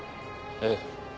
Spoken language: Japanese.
ええ。